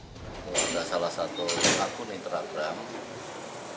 itu adalah salah satu akun instagram